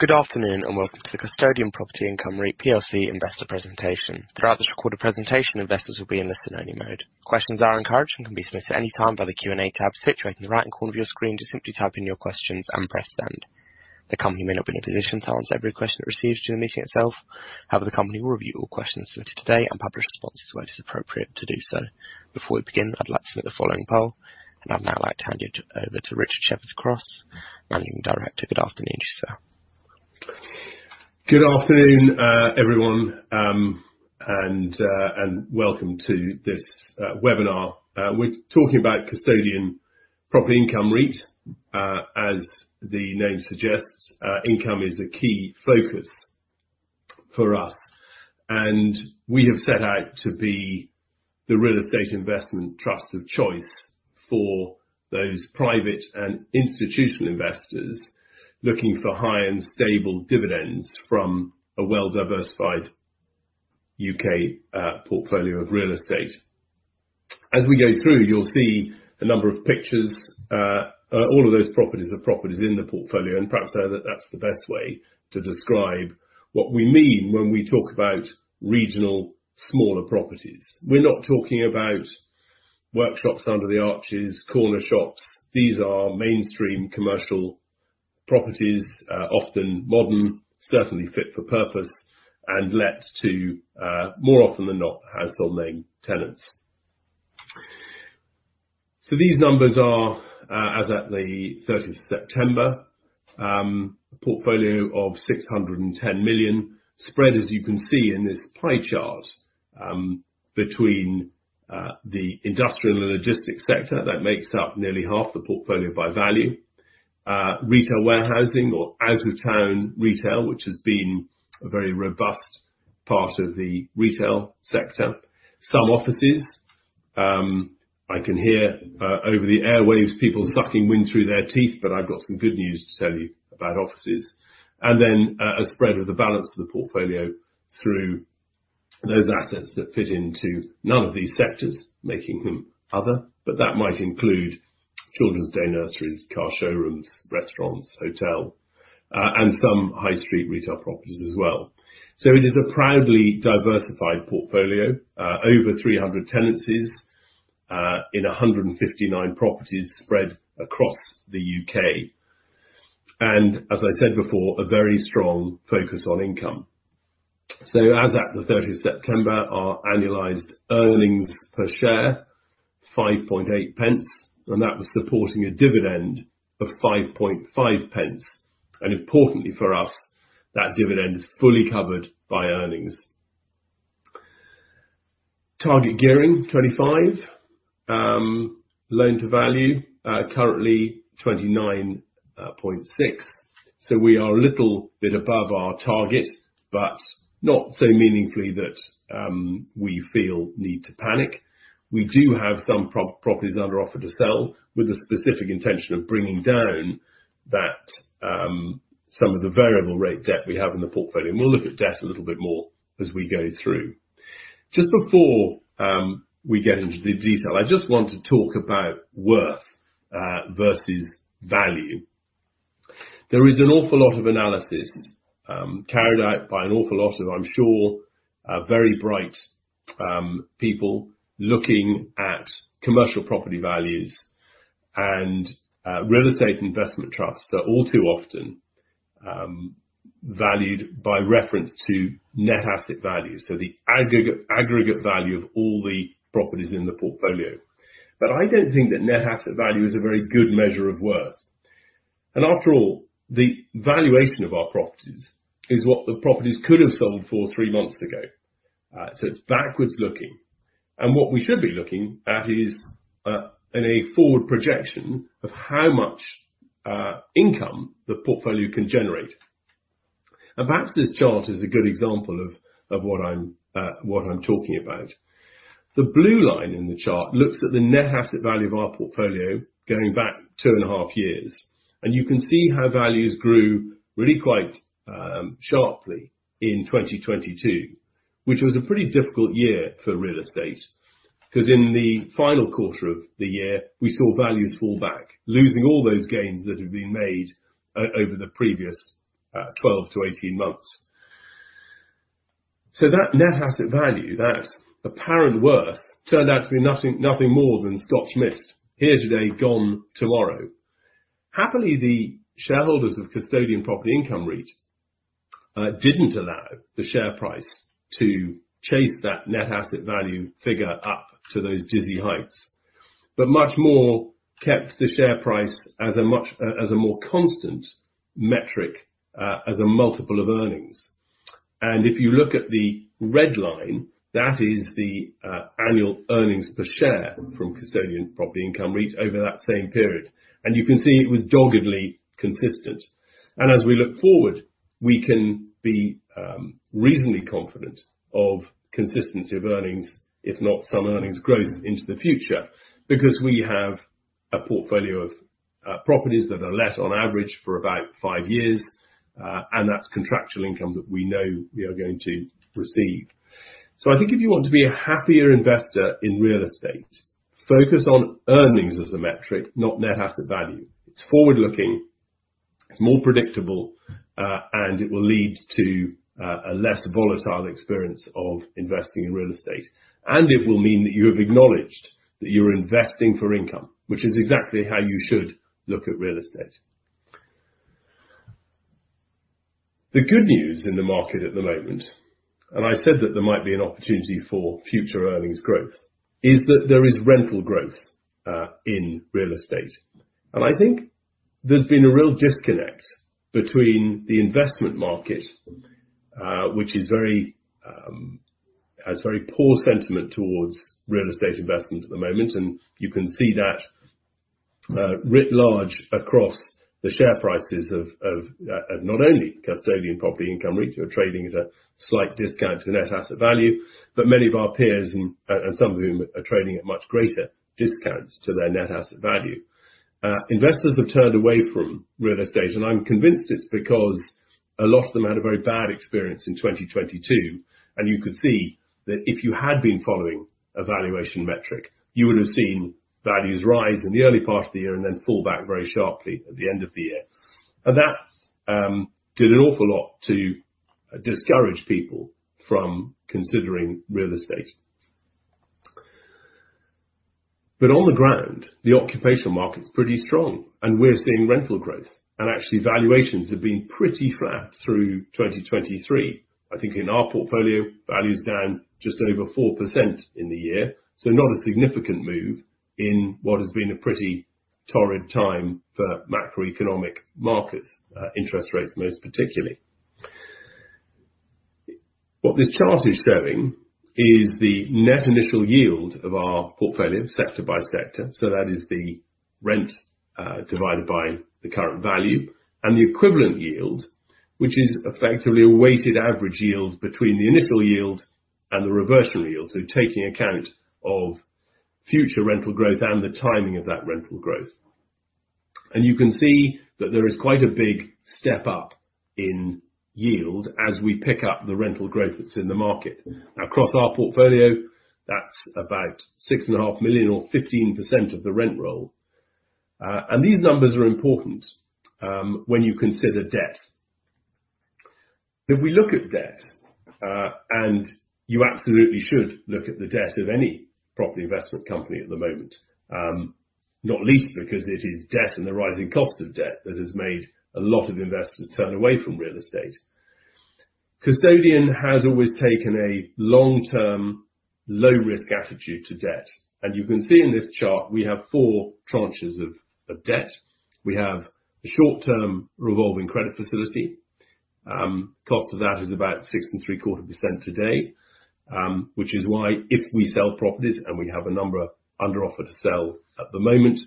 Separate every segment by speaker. Speaker 1: Good afternoon, and welcome to the Custodian Property Income REIT plc investor presentation. Throughout this recorded presentation, investors will be in listen only mode. Questions are encouraged and can be submitted at any time by the Q&A tab situated in the right corner of your screen. Just simply type in your questions and press send. The company may not be in a position to answer every question it receives during the meeting itself. However, the company will review all questions submitted today and publish responses where it is appropriate to do so. Before we begin, I'd like to submit the following poll, and I'd now like to hand you over to Richard Shepherd-Cross, managing director. Good afternoon, sir.
Speaker 2: Good afternoon, everyone, and welcome to this webinar. We're talking about Custodian Property Income REIT. As the name suggests, income is a key focus for us, and we have set out to be the real estate investment trust of choice for those private and institutional investors looking for high and stable dividends from a well-diversified UK portfolio of real estate. As we go through, you'll see a number of pictures. All of those properties are properties in the portfolio, and perhaps that's the best way to describe what we mean when we talk about regional smaller properties. We're not talking about workshops under the arches, corner shops. These are mainstream commercial properties, often modern, certainly fit for purpose and let to more often than not, household name tenants. So these numbers are, as at the thirteenth of September, a portfolio of 610 million, spread, as you can see in this pie chart, between, the industrial and logistics sector. That makes up nearly half the portfolio by value. Retail warehousing or out-of-town retail, which has been a very robust part of the retail sector. Some offices, I can hear, over the airwaves, people sucking wind through their teeth, but I've got some good news to tell you about offices. And then, a spread of the balance of the portfolio through those assets that fit into none of these sectors, making them other. But that might include children's day nurseries, car showrooms, restaurants, hotel, and some high street retail properties as well. So it is a proudly diversified portfolio. Over 300 tenancies in 159 properties spread across the UK. As I said before, a very strong focus on income. As at the 13th of September, our annualized earnings per share 0.058, and that was supporting a dividend of 0.055. Importantly for us, that dividend is fully covered by earnings. Target gearing 25%. Loan-to-value currently 29.6%. We are a little bit above our target, but not so meaningfully that we feel need to panic. We do have some properties under offer to sell, with the specific intention of bringing down that some of the variable rate debt we have in the portfolio. We'll look at debt a little bit more as we go through. Just before we get into the detail, I just want to talk about worth versus value. There is an awful lot of analysis carried out by an awful lot of, I'm sure, very bright people looking at commercial property values and real estate investment trusts are all too often valued by reference to Net Asset Value, so the aggregate value of all the properties in the portfolio. But I don't think that Net Asset Value is a very good measure of worth. And after all, the valuation of our properties is what the properties could have sold for three months ago. So it's backwards looking. And what we should be looking at is in a forward projection of how much income the portfolio can generate. Perhaps this chart is a good example of what I'm talking about. The blue line in the chart looks at the net asset value of our portfolio going back two and a half years, and you can see how values grew really quite sharply in 2022, which was a pretty difficult year for real estate. 'Cause in the final quarter of the year, we saw values fall back, losing all those gains that had been made over the previous 12-18 months. That net asset value, that apparent worth, turned out to be nothing, nothing more than Scotch mist. Here today, gone tomorrow. Happily, the shareholders of Custodian Property Income REIT didn't allow the share price to chase that net asset value figure up to those dizzy heights, but much more kept the share price as a more constant metric as a multiple of earnings. And if you look at the red line, that is the annual earnings per share from Custodian Property Income REIT over that same period. And you can see it was doggedly consistent. And as we look forward, we can be reasonably confident of consistency of earnings, if not some earnings growth into the future, because we have a portfolio of properties that are let on average for about five years, and that's contractual income that we know we are going to receive. So I think if you want to be a happier investor in real estate... Focused on earnings as a metric, not net asset value. It's forward-looking, it's more predictable, and it will lead to a less volatile experience of investing in real estate. It will mean that you have acknowledged that you're investing for income, which is exactly how you should look at real estate. The good news in the market at the moment, and I said that there might be an opportunity for future earnings growth, is that there is rental growth in real estate. I think there's been a real disconnect between the investment market, which has very poor sentiment towards real estate investments at the moment, and you can see that writ large across the share prices of not only Custodian Property Income REIT, your trading is a slight discount to net asset value, but many of our peers and some of whom are trading at much greater discounts to their net asset value. Investors have turned away from real estate, and I'm convinced it's because a lot of them had a very bad experience in 2022, and you could see that if you had been following a valuation metric, you would have seen values rise in the early part of the year and then fall back very sharply at the end of the year. And that did an awful lot to discourage people from considering real estate. But on the ground, the occupational market's pretty strong, and we're seeing rental growth, and actually valuations have been pretty flat through 2023. I think in our portfolio, values down just over 4% in the year, so not a significant move in what has been a pretty torrid time for macroeconomic markets, interest rates, most particularly. What this chart is showing is the net initial yield of our portfolio, sector by sector, so that is the rent, divided by the current value, and the equivalent yield, which is effectively a weighted average yield between the initial yield and the reversion yield. So taking account of future rental growth and the timing of that rental growth. You can see that there is quite a big step up in yield as we pick up the rental growth that's in the market. Across our portfolio, that's about 6.5 million or 15% of the rent roll. These numbers are important when you consider debt. If we look at debt, and you absolutely should look at the debt of any property investment company at the moment, not least because it is debt and the rising cost of debt that has made a lot of investors turn away from real estate. Custodian has always taken a long-term, low-risk attitude to debt, and you can see in this chart, we have four tranches of debt. We have the short-term revolving credit facility. Cost of that is about 6.75% today, which is why if we sell properties, and we have a number of under offer to sell at the moment,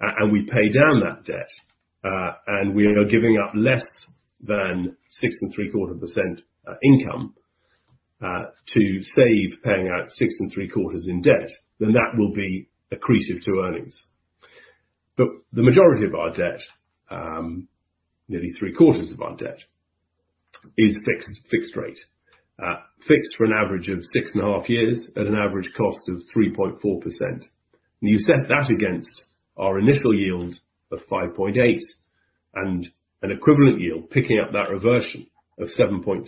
Speaker 2: and we pay down that debt, and we are giving up less than 6.75% income, to save paying out 6.75% in debt, then that will be accretive to earnings. But the majority of our debt, nearly three-quarters of our debt, is fixed, fixed rate. Fixed for an average of 6.5 years at an average cost of 3.4%. You set that against our initial yield of 5.8 and an equivalent yield, picking up that reversion of 7.3%,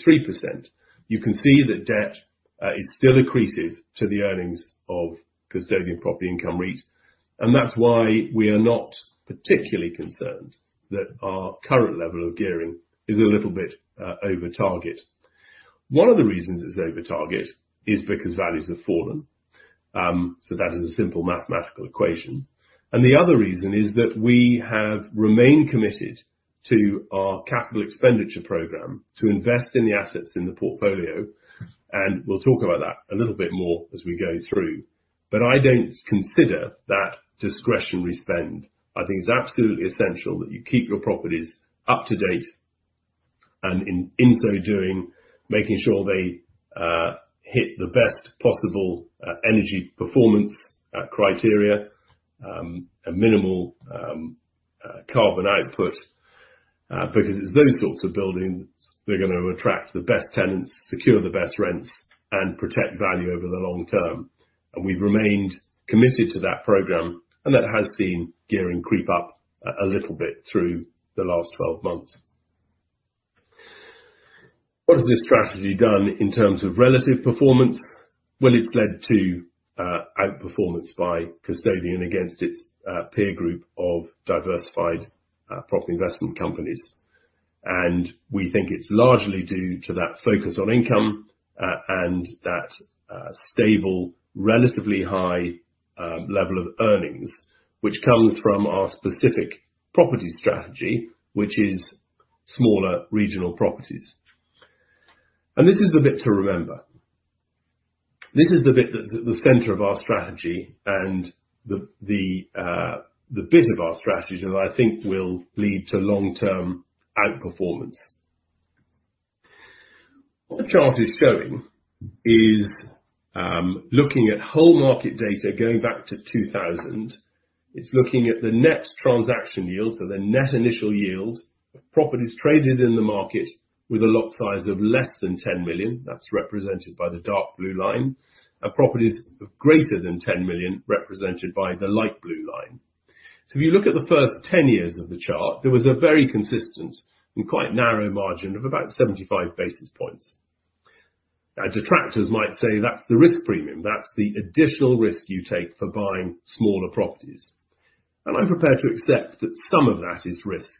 Speaker 2: you can see that debt is still accretive to the earnings of Custodian Property Income REIT, and that's why we are not particularly concerned that our current level of gearing is a little bit over target. One of the reasons it's over target is because values have fallen. So that is a simple mathematical equation. And the other reason is that we have remained committed to our capital expenditure program to invest in the assets in the portfolio, and we'll talk about that a little bit more as we go through. But I don't consider that discretionary spend. I think it's absolutely essential that you keep your properties up to date and in so doing, making sure they hit the best possible energy performance criteria, a minimal carbon output, because it's those sorts of buildings that are gonna attract the best tenants, secure the best rents, and protect value over the long term. And we've remained committed to that program, and that has been gearing creep up a little bit through the last 12 months. What has this strategy done in terms of relative performance? Well, it's led to outperformance by Custodian against its peer group of diversified property investment companies. And we think it's largely due to that focus on income and that stable, relatively high level of earnings, which comes from our specific property strategy, which is smaller regional properties. And this is the bit to remember. This is the bit that's at the center of our strategy and the bit of our strategy that I think will lead to long-term outperformance. What the chart is showing is looking at whole market data going back to 2000. It's looking at the net transaction yields, so the net initial yields of properties traded in the market with a lot size of less than 10 million. That's represented by the dark blue line, and properties of greater than 10 million, represented by the light blue line. So if you look at the first 10 years of the chart, there was a very consistent and quite narrow margin of about 75 basis points. Now, detractors might say that's the risk premium, that's the additional risk you take for buying smaller properties. I'm prepared to accept that some of that is risk,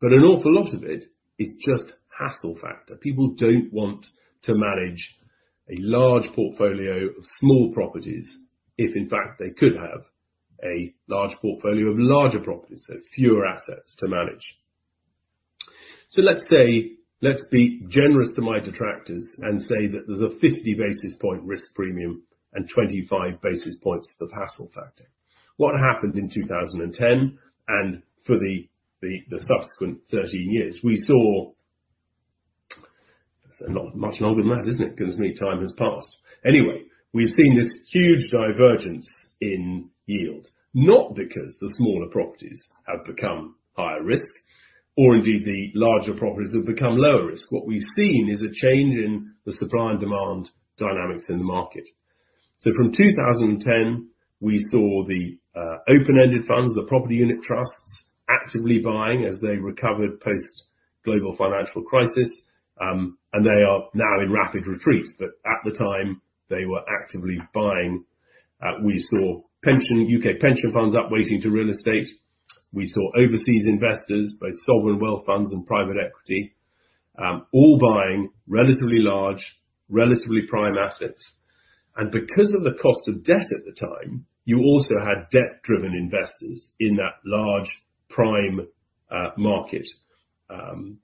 Speaker 2: but an awful lot of it is just hassle factor. People don't want to manage a large portfolio of small properties, if in fact, they could have a large portfolio of larger properties, so fewer assets to manage. So let's say, let's be generous to my detractors and say that there's a 50 basis point risk premium and 25 basis points of hassle factor. What happened in 2010 and for the subsequent 13 years? We saw. So not much longer than that, isn't it? Because many times have passed. Anyway, we've seen this huge divergence in yield, not because the smaller properties have become higher risk, or indeed the larger properties have become lower risk. What we've seen is a change in the supply and demand dynamics in the market. So from 2010, we saw the open-ended funds, the property unit trusts, actively buying as they recovered post Global Financial Crisis, and they are now in rapid retreat. But at the time, they were actively buying. We saw pension U.K. pension funds upweighting to real estate. We saw overseas investors, both sovereign wealth funds and private equity, all buying relatively large, relatively prime assets, and because of the cost of debt at the time, you also had debt-driven investors in that large prime market.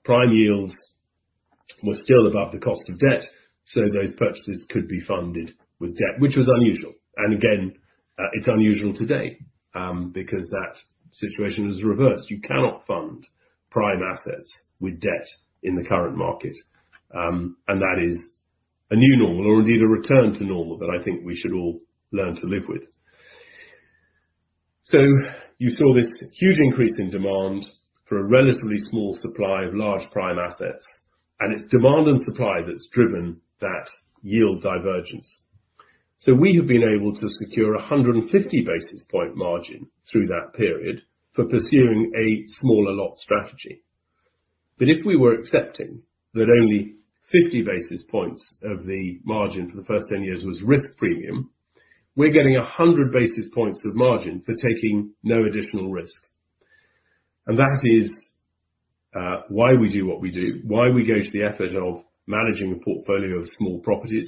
Speaker 2: Prime yields were still above the cost of debt, so those purchases could be funded with debt, which was unusual. And again, it's unusual today, because that situation is reversed. You cannot fund prime assets with debt in the current market, and that is a new normal, or indeed a return to normal, that I think we should all learn to live with. So you saw this huge increase in demand for a relatively small supply of large prime assets, and it's demand and supply that's driven that yield divergence. So we have been able to secure 150 basis point margin through that period for pursuing a smaller lot strategy. But if we were accepting that only 50 basis points of the margin for the first 10 years was risk premium, we're getting 100 basis points of margin for taking no additional risk. And that is why we do what we do, why we go to the effort of managing a portfolio of small properties.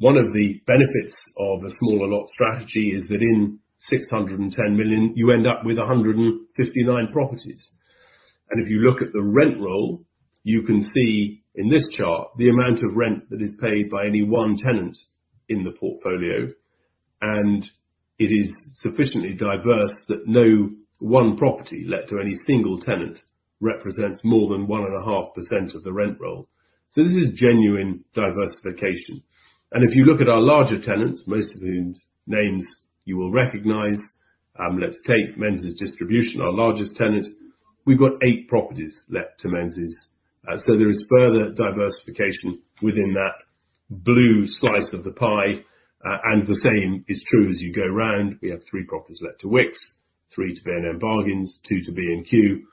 Speaker 2: One of the benefits of a smaller lot strategy is that in 610 million, you end up with 159 properties, and if you look at the rent roll, you can see in this chart the amount of rent that is paid by any one tenant in the portfolio, and it is sufficiently diverse that no one property let to any single tenant represents more than 1.5% of the rent roll. So this is genuine diversification. And if you look at our larger tenants, most of whose names you will recognize, let's take Menzies Distribution, our largest tenant. We've got eight properties let to Menzies, so there is further diversification within that blue slice of the pie. And the same is true as you go around. We have three properties let to Wickes, three to B&M Bargains, two to B&Q.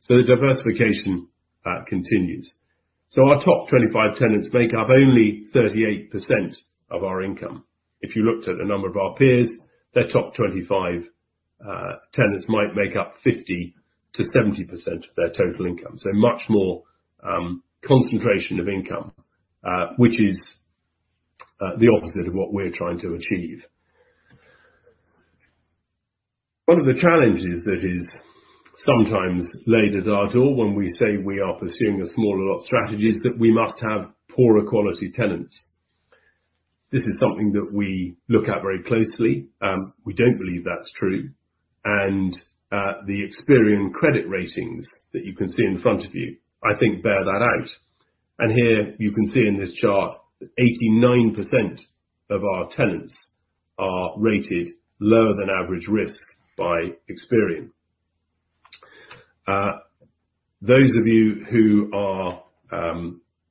Speaker 2: So the diversification continues. So our top 25 tenants make up only 38% of our income. If you looked at a number of our peers, their top 25 tenants might make up 50%-70% of their total income. So much more concentration of income, which is the opposite of what we're trying to achieve. One of the challenges that is sometimes laid at our door when we say we are pursuing a smaller lot strategy, is that we must have poorer quality tenants. This is something that we look at very closely. We don't believe that's true, and the Experian credit ratings that you can see in front of you, I think, bear that out. Here, you can see in this chart, 89% of our tenants are rated lower than average risk by Experian. Those of you who are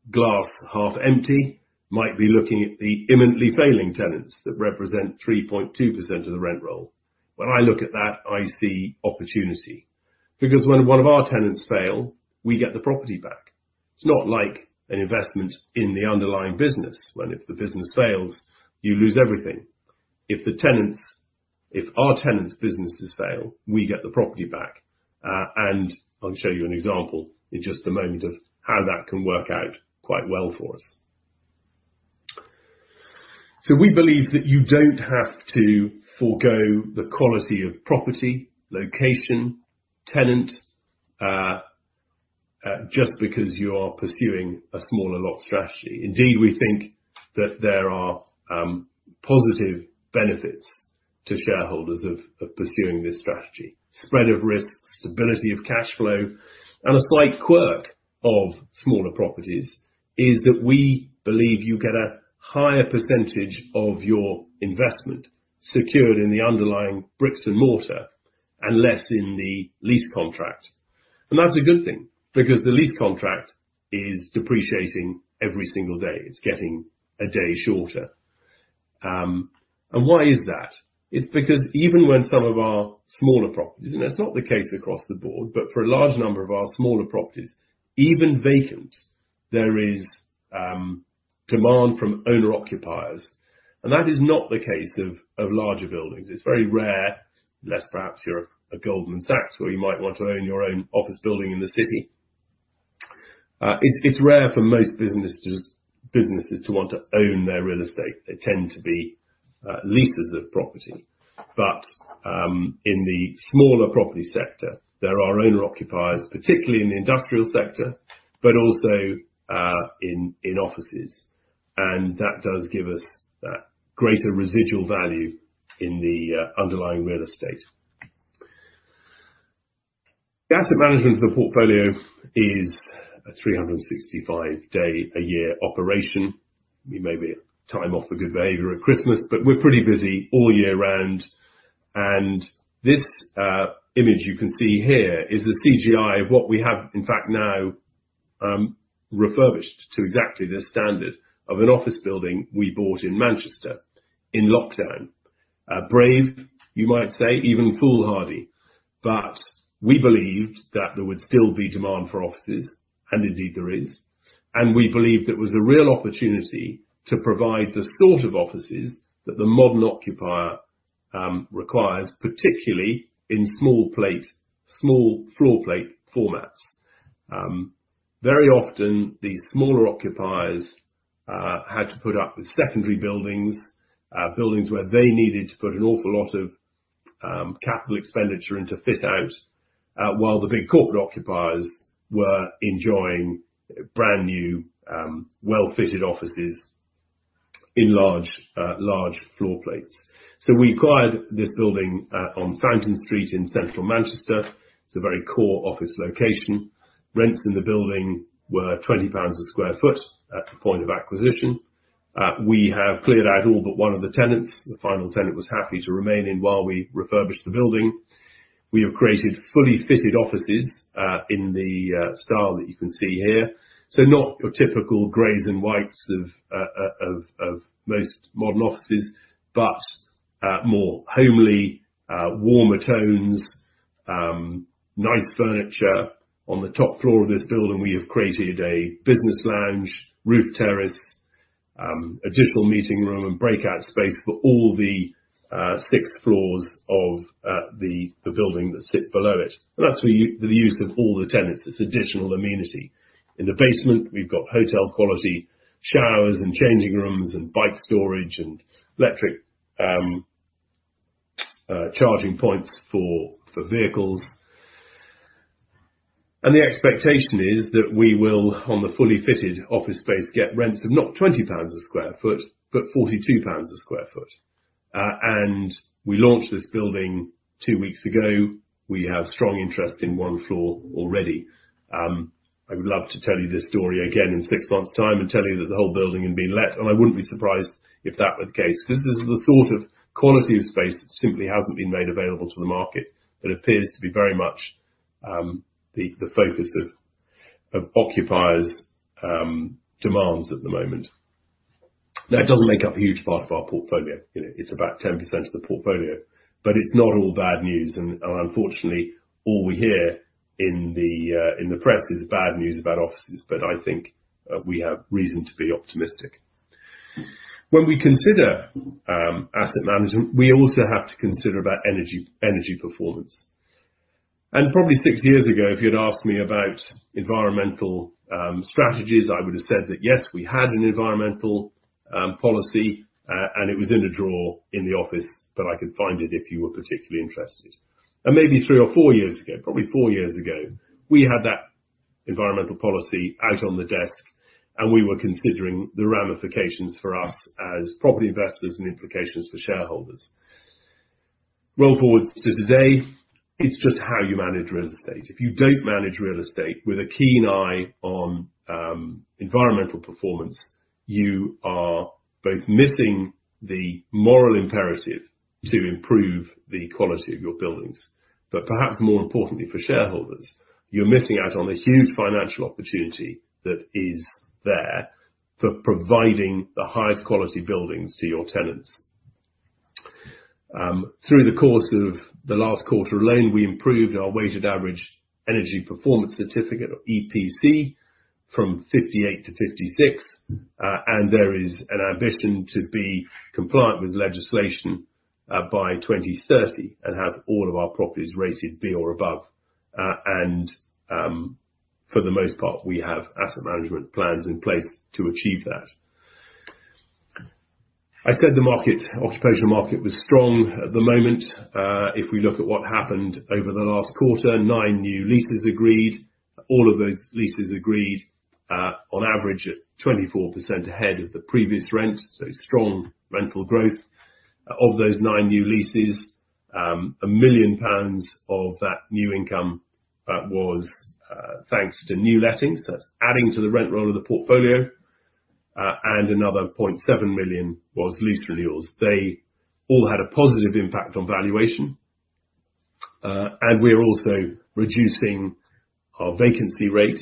Speaker 2: glass half empty might be looking at the imminently failing tenants that represent 3.2% of the rent roll. When I look at that, I see opportunity, because when one of our tenants fail, we get the property back. It's not like an investment in the underlying business, when if the business fails, you lose everything. If the tenants, if our tenants' businesses fail, we get the property back, and I'll show you an example in just a moment of how that can work out quite well for us. We believe that you don't have to forgo the quality of property, location, tenant, just because you are pursuing a smaller lot strategy. Indeed, we think that there are positive benefits to shareholders of pursuing this strategy. Spread of risk, stability of cash flow, and a slight quirk of smaller properties, is that we believe you get a higher percentage of your investment secured in the underlying bricks and mortar and less in the lease contract. And that's a good thing, because the lease contract is depreciating every single day. It's getting a day shorter. And why is that? It's because even when some of our smaller properties, and that's not the case across the board, but for a large number of our smaller properties, even vacant, there is demand from owner-occupiers, and that is not the case of larger buildings. It's very rare, unless perhaps you're a Goldman Sachs, where you might want to own your own office building in the city. It's rare for most businesses to want to own their real estate. They tend to be lessees of property. But in the smaller property sector, there are owner-occupiers, particularly in the industrial sector, but also in offices. And that does give us that greater residual value in the underlying real estate. The asset management of the portfolio is a 365-day-a-year operation. We may be time off for good behavior at Christmas, but we're pretty busy all year round. And this image you can see here is the CGI of what we have, in fact, now refurbished to exactly the standard of an office building we bought in Manchester in lockdown. Brave, you might say, even foolhardy, but we believed that there would still be demand for offices, and indeed there is. We believed it was a real opportunity to provide the sort of offices that the modern occupier requires, particularly in small plates, small floor plate formats. Very often, these smaller occupiers had to put up with secondary buildings, buildings where they needed to put an awful lot of capital expenditure in to fit out, while the big corporate occupiers were enjoying brand-new, well-fitted offices in large, large floor plates. So we acquired this building on Fountain Street in central Manchester. It's a very core office location. Rents in the building were 20 pounds a sq ft at the point of acquisition. We have cleared out all but one of the tenants. The final tenant was happy to remain in while we refurbished the building. We have created fully fitted offices in the style that you can see here. So not your typical grays and whites of most modern offices, but more homely, warmer tones, nice furniture. On the top floor of this building, we have created a business lounge, roof terrace, additional meeting room and breakout space for all the six floors of the building that sit below it. And that's for the use of all the tenants. It's additional amenity. In the basement, we've got hotel quality showers and changing rooms and bike storage and electric charging points for vehicles. And the expectation is that we will, on the fully fitted office space, get rents of not 20 pounds a sq ft, but 42 pounds a sq ft. And we launched this building two weeks ago. We have strong interest in one floor already. I would love to tell you this story again in six months' time and tell you that the whole building had been let, and I wouldn't be surprised if that were the case, because this is the sort of quality of space that simply hasn't been made available to the market, but appears to be very much the focus of occupiers' demands at the moment. That doesn't make up a huge part of our portfolio. You know, it's about 10% of the portfolio, but it's not all bad news. And unfortunately, all we hear in the press is bad news about offices, but I think we have reason to be optimistic. When we consider asset management, we also have to consider about energy, energy performance. Probably six years ago, if you'd asked me about environmental strategies, I would have said that, yes, we had an environmental policy, and it was in a drawer in the office, but I could find it if you were particularly interested. Maybe three or four years ago, probably four years ago, we had that environmental policy out on the desk, and we were considering the ramifications for us as property investors and implications for shareholders. Roll forward to today, it's just how you manage real estate. If you don't manage real estate with a keen eye on environmental performance, you are both missing the moral imperative to improve the quality of your buildings. But perhaps more importantly for shareholders, you're missing out on a huge financial opportunity that is there for providing the highest quality buildings to your tenants. Through the course of the last quarter alone, we improved our weighted average Energy Performance Certificate, or EPC, from 58-56, and there is an ambition to be compliant with legislation by 2030, and have all of our properties rated B or above. For the most part, we have asset management plans in place to achieve that. I said the market, occupational market, was strong at the moment. If we look at what happened over the last quarter, nine new leases agreed. All of those leases agreed on average, at 24% ahead of the previous rent, so strong rental growth. Of those 9 new leases, a million pounds of that new income was thanks to new lettings. So that's adding to the rent roll of the portfolio, and another point seven million was lease renewals. They all had a positive impact on valuation. And we are also reducing our vacancy rate,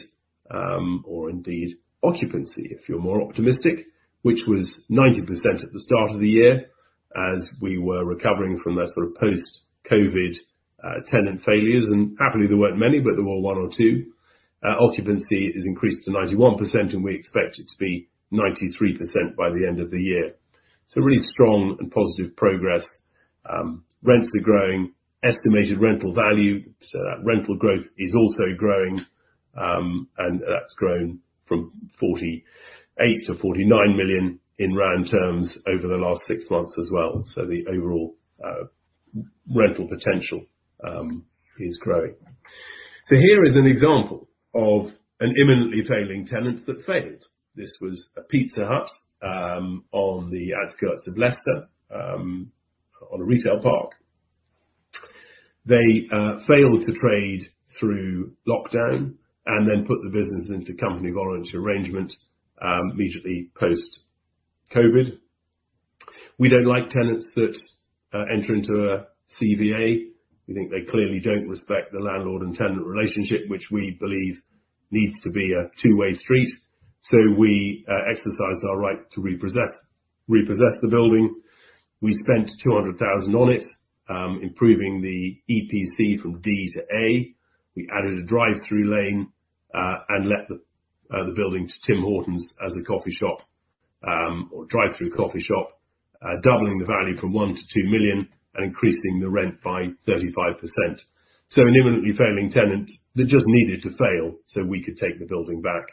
Speaker 2: or indeed occupancy, if you're more optimistic, which was 90% at the start of the year, as we were recovering from that sort of post-COVID tenant failures, and happily, there weren't many, but there were one or two. Occupancy is increased to 91%, and we expect it to be 93% by the end of the year. So really strong and positive progress. Rents are growing, estimated rental value, so that rental growth is also growing, and that's grown from 48 million to GBP 49 million in round terms over the last six months as well. So the overall rental potential is growing. So here is an example of an imminently failing tenant that failed. This was a Pizza Hut on the outskirts of Leicester on a retail park. They failed to trade through lockdown and then put the business into company voluntary arrangement immediately post-COVID. We don't like tenants that enter into a CVA. We think they clearly don't respect the landlord and tenant relationship, which we believe needs to be a two-way street. So we exercised our right to repossess the building. We spent 200,000 on it improving the EPC from D to A. We added a drive-through lane, and let the building to Tim Hortons as a coffee shop, or drive-through coffee shop, doubling the value from 1 million-2 million and increasing the rent by 35%. So an imminently failing tenant that just needed to fail so we could take the building back,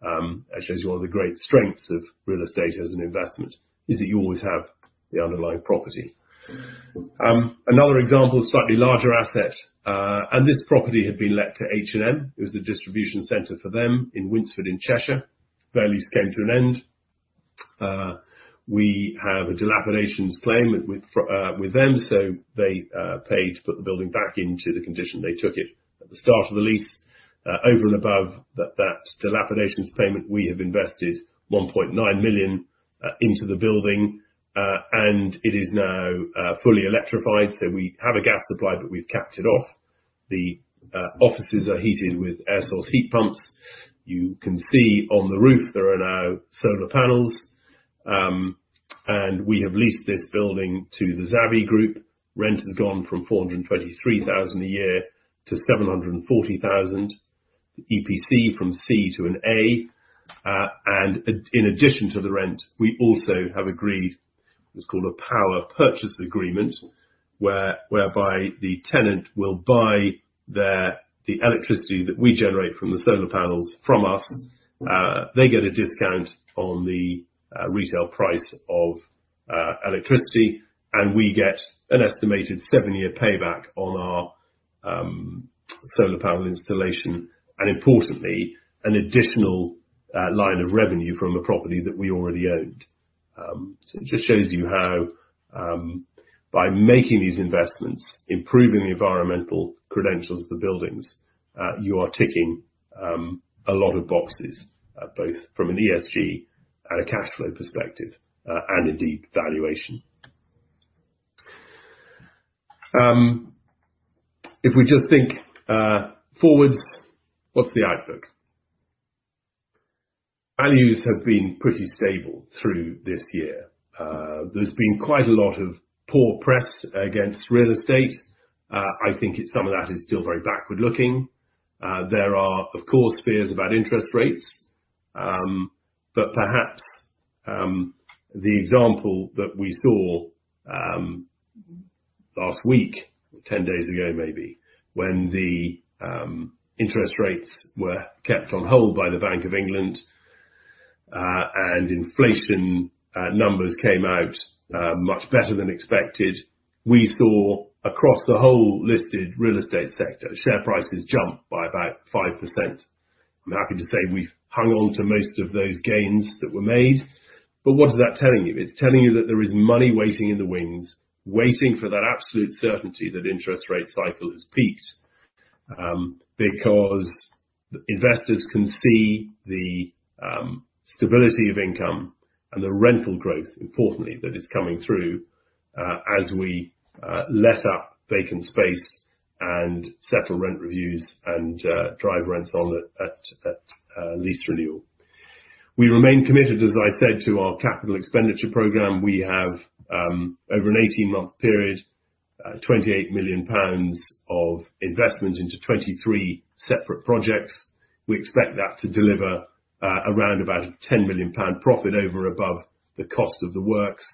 Speaker 2: that shows you one of the great strengths of real estate as an investment, is that you always have the underlying property. Another example of slightly larger assets, and this property had been let to H&M. It was the distribution center for them in Winsford, in Cheshire. Their lease came to an end. We have a dilapidations claim with them, so they paid to put the building back into the condition they took it at the start of the lease. Over and above that, that dilapidations payment, we have invested 1.9 million into the building, and it is now fully electrified. So we have a gas supply, but we've capped it off. The offices are heated with air source heat pumps. You can see on the roof, there are now solar panels. And we have leased this building to the Zavvi Group. Rent has gone from 423,000 a year to 740,000, EPC from C to an A. And in addition to the rent, we also have agreed; it's called a Power Purchase Agreement, whereby the tenant will buy the electricity that we generate from the solar panels from us. They get a discount on the retail price of electricity, and we get an estimated 7-year payback on our solar panel installation, and importantly, an additional line of revenue from a property that we already owned. So it just shows you how by making these investments, improving the environmental credentials of the buildings, you are ticking a lot of boxes both from an ESG and a cash flow perspective, and indeed, valuation. If we just think forward, what's the outlook? Values have been pretty stable through this year. There's been quite a lot of poor press against real estate. I think it's some of that is still very backward looking. There are, of course, fears about interest rates, but perhaps, the example that we saw, last week, 10 days ago, maybe, when the, interest rates were kept on hold by the Bank of England, and inflation, numbers came out, much better than expected, we saw across the whole listed real estate sector, share prices jump by about 5%. I'm happy to say we've hung on to most of those gains that were made, but what is that telling you? It's telling you that there is money waiting in the wings, waiting for that absolute certainty that interest rate cycle has peaked, because investors can see the stability of income and the rental growth, importantly, that is coming through, as we let up vacant space and settle rent reviews and drive rents on at lease renewal. We remain committed, as I said, to our capital expenditure program. We have, over an 18-month period, 28 million pounds of investment into 23 separate projects. We expect that to deliver, around about 10 million pound profit over above the cost of the works.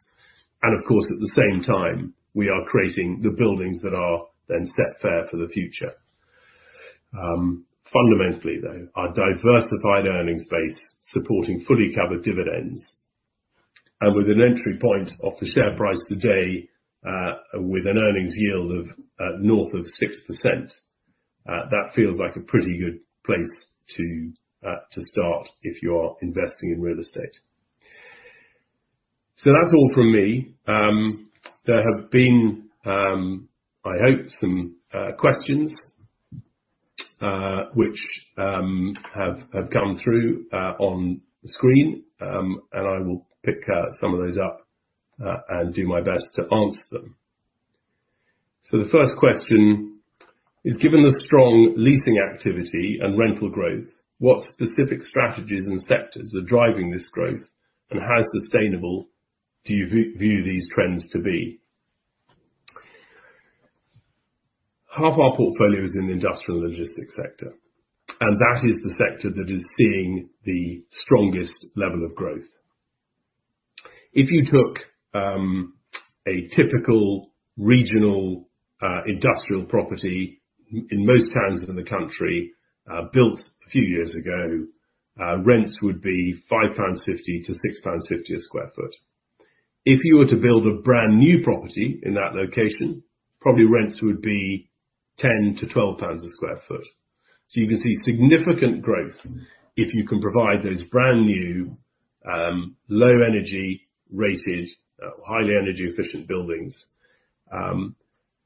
Speaker 2: And of course, at the same time, we are creating the buildings that are then set fair for the future. Fundamentally, though, our diversified earnings base, supporting fully covered dividends. With an entry point of the share price today, with an earnings yield of, North of 6%, that feels like a pretty good place to start if you're investing in real estate. That's all from me. There have been, I hope, some questions, which have come through on the screen, and I will pick some of those up and do my best to answer them. The first question is: Given the strong leasing activity and rental growth, what specific strategies and sectors are driving this growth, and how sustainable do you view these trends to be? Half our portfolio is in the industrial and logistics sector, and that is the sector that is seeing the strongest level of growth. If you took a typical regional industrial property in most towns in the country, built a few years ago, rents would be 5.50-6.50 pounds per sq ft. If you were to build a brand new property in that location, probably rents would be 10-12 pounds per sq ft. So you can see significant growth if you can provide those brand new low energy rated highly energy efficient buildings.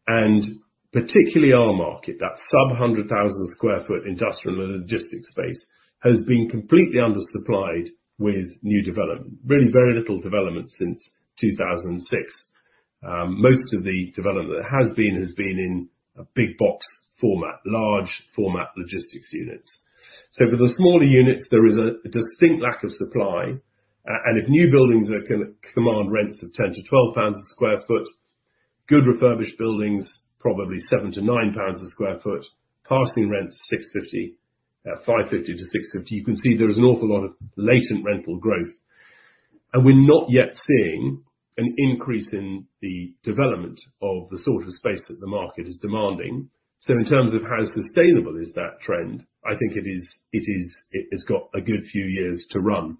Speaker 2: And particularly our market, that sub-100,000 sq ft industrial and logistics space, has been completely under-supplied with new development. Really, very little development since 2006. Most of the development that has been has been in a big box format, large format logistics units. So for the smaller units, there is a distinct lack of supply, and if new buildings are gonna command rents of 10-12 pounds per sq ft, good refurbished buildings, probably 7-9 pounds per sq ft, passing rents, 6.50, 550-650. You can see there is an awful lot of latent rental growth, and we're not yet seeing an increase in the development of the sort of space that the market is demanding. So in terms of how sustainable is that trend, I think it is, it has got a good few years to run.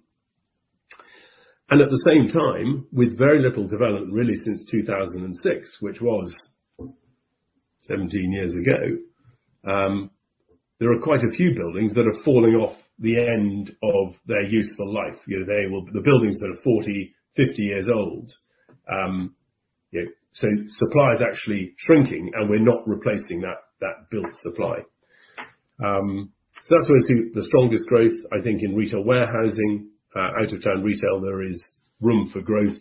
Speaker 2: And at the same time, with very little development really since 2006, which was 17 years ago, there are quite a few buildings that are falling off the end of their useful life. You know, they were the buildings that are 40, 50 years old. You know, so supply is actually shrinking, and we're not replacing that built supply. So that's where we see the strongest growth, I think, in retail warehousing. Out of town retail, there is room for growth.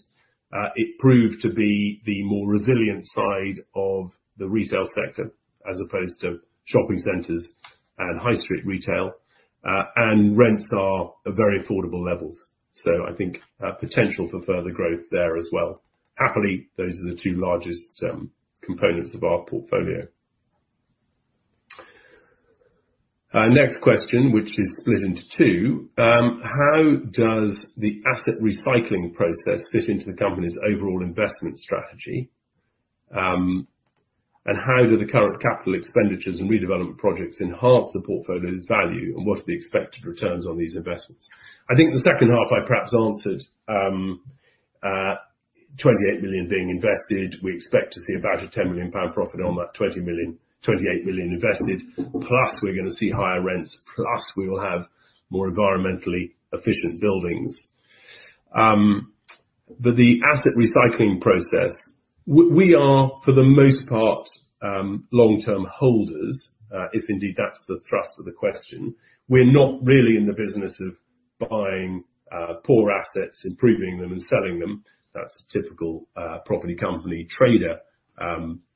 Speaker 2: It proved to be the more resilient side of the retail sector, as opposed to shopping centers and high street retail. And rents are at very affordable levels, so I think a potential for further growth there as well. Happily, those are the two largest components of our portfolio. Next question, which is split into two. How does the asset recycling process fit into the company's overall investment strategy? And how do the current capital expenditures and redevelopment projects enhance the portfolio's value, and what are the expected returns on these investments? I think the second half I perhaps answered, 28 million being invested, we expect to see about a 10 million pound profit on that 20 million-28 million invested. Plus, we're gonna see higher rents, plus we will have more environmentally efficient buildings. But the asset recycling process, we are, for the most part, long-term holders, if indeed that's the thrust of the question. We're not really in the business of buying poor assets, improving them and selling them. That's typical property company trader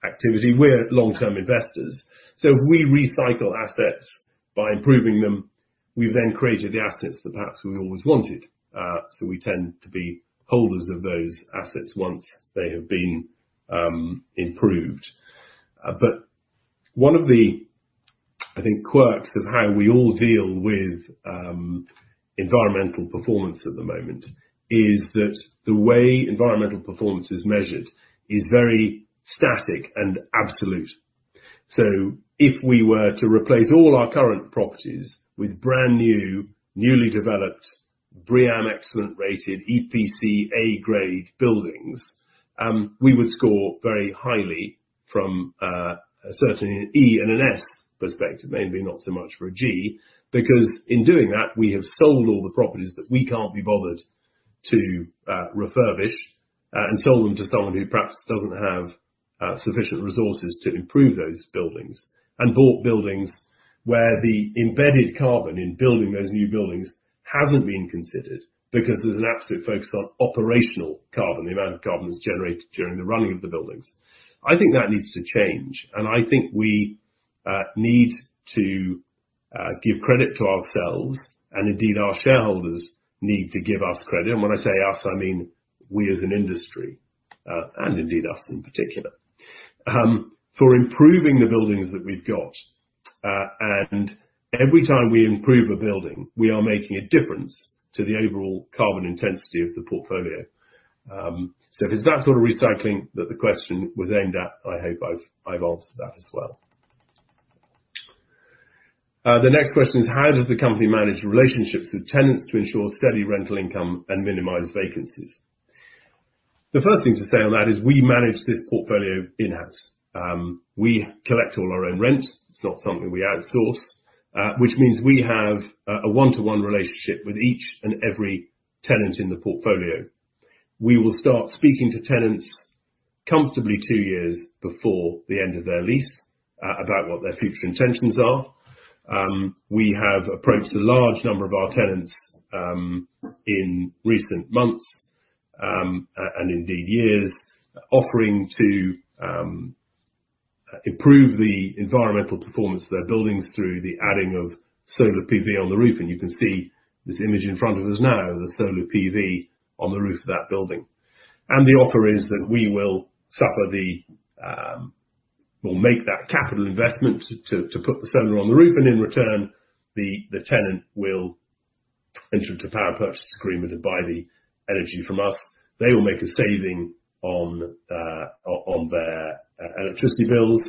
Speaker 2: activity. We're long-term investors. So we recycle assets by improving them, we've then created the assets that perhaps we've always wanted. So we tend to be holders of those assets once they have been improved. But one of the, I think, quirks of how we all deal with environmental performance at the moment, is that the way environmental performance is measured is very static and absolute. So if we were to replace all our current properties with brand new, newly developed, BREEAM Excellent rated EPC A grade buildings, we would score very highly from, certainly an E and an S perspective, maybe not so much for a G. Because in doing that, we have sold all the properties that we can't be bothered to refurbish and sold them to someone who perhaps doesn't have sufficient resources to improve those buildings. And bought buildings where the embedded carbon in building those new buildings hasn't been considered, because there's an absolute focus on operational carbon, the amount of carbon that's generated during the running of the buildings. I think that needs to change, and I think we need to give credit to ourselves, and indeed, our shareholders need to give us credit. And when I say us, I mean we as an industry, and indeed us in particular. For improving the buildings that we've got, and every time we improve a building, we are making a difference to the overall carbon intensity of the portfolio. So if it's that sort of recycling that the question was aimed at, I hope I've answered that as well. The next question is: How does the company manage relationships with tenants to ensure steady rental income and minimize vacancies? The first thing to say on that is we manage this portfolio in-house. We collect all our own rent. It's not something we outsource, which means we have a one-to-one relationship with each and every tenant in the portfolio. We will start speaking to tenants comfortably two years before the end of their lease about what their future intentions are. We have approached a large number of our tenants in recent months and indeed years, offering to improve the environmental performance of their buildings through the adding of solar PV on the roof, and you can see this image in front of us now, the solar PV on the roof of that building. And the offer is that we'll make that capital investment to put the solar on the roof, and in return, the tenant will enter into a power purchase agreement to buy the energy from us. They will make a saving on their electricity bills.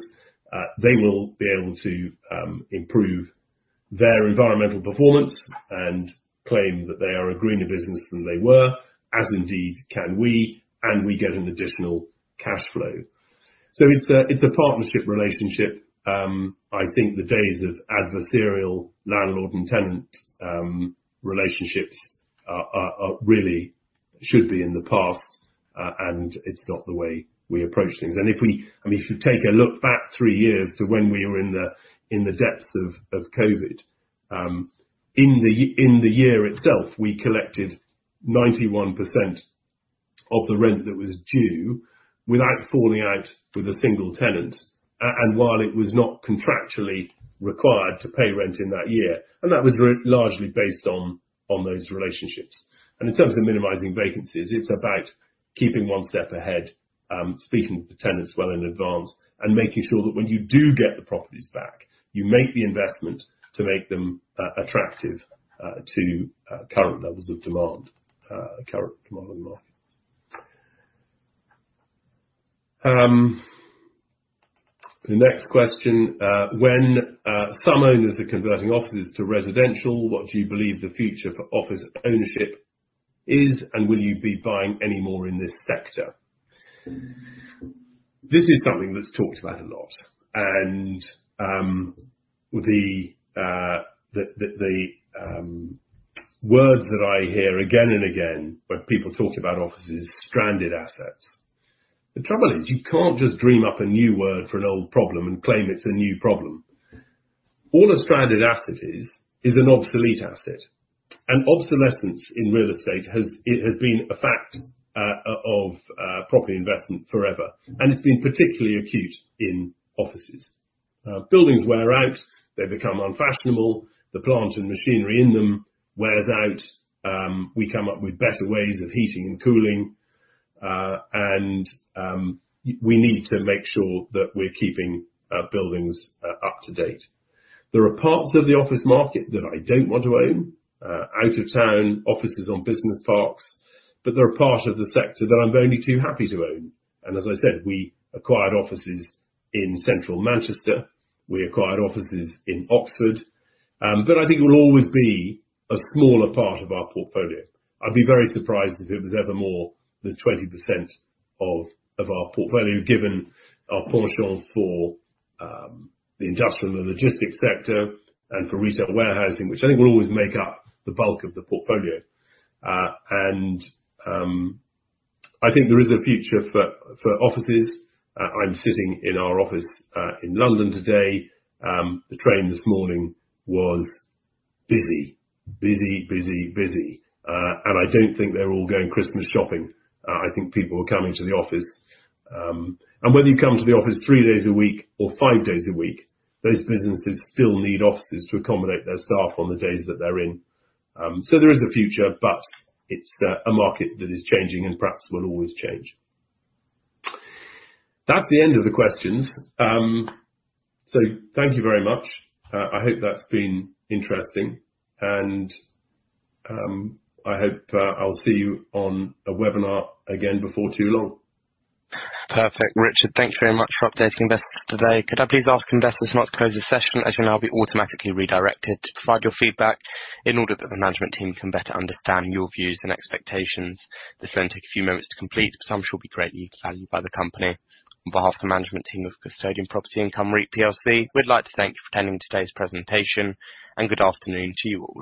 Speaker 2: They will be able to improve their environmental performance, and claim that they are a greener business than they were, as indeed can we, and we get an additional cash flow. So it's a partnership relationship. I think the days of adversarial landlord and tenant relationships really should be in the past, and it's not the way we approach things. I mean, if you take a look back three years to when we were in the depths of COVID, in the year itself, we collected 91% of the rent that was due, without falling out with a single tenant, and while it was not contractually required to pay rent in that year, and that was largely based on those relationships. In terms of minimizing vacancies, it's about keeping one step ahead, speaking to tenants well in advance, and making sure that when you do get the properties back, you make the investment to make them attractive to current levels of demand, current demand on the market. The next question: When some owners are converting offices to residential, what do you believe the future for office ownership is, and will you be buying any more in this sector? This is something that's talked about a lot, and the words that I hear again and again, when people talk about office is stranded assets. The trouble is, you can't just dream up a new word for an old problem and claim it's a new problem. All a stranded asset is, is an obsolete asset, and obsolescence in real estate has, it has been a fact of property investment forever, and it's been particularly acute in offices. Buildings wear out, they become unfashionable, the plant and machinery in them wears out, we come up with better ways of heating and cooling, and we need to make sure that we're keeping buildings up to date. There are parts of the office market that I don't want to own, out of town, offices on business parks, but there are parts of the sector that I'm only too happy to own. And as I said, we acquired offices in central Manchester, we acquired offices in Oxford, but I think it will always be a smaller part of our portfolio. I'd be very surprised if it was ever more than 20% of our portfolio, given our penchant for the industrial and the logistics sector and for retail warehousing, which I think will always make up the bulk of the portfolio. I think there is a future for offices. I'm sitting in our office in London today. The train this morning was busy. Busy, busy, busy. And I don't think they're all going Christmas shopping. I think people are coming to the office. And whether you come to the office three days a week or five days a week, those businesses still need offices to accommodate their staff on the days that they're in. So there is a future, but it's a market that is changing and perhaps will always change. That's the end of the questions. So thank you very much. I hope that's been interesting, and I hope I'll see you on a webinar again before too long.
Speaker 1: Perfect. Richard, thank you very much for updating investors today. Could I please ask investors not to close the session, as you'll now be automatically redirected to provide your feedback in order that the management team can better understand your views and expectations. This will only take a few moments to complete, but some should be greatly valued by the company. On behalf of the management team of Custodian Property Income REIT plc, we'd like to thank you for attending today's presentation, and good afternoon to you all.